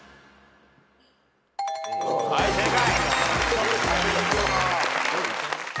はい正解。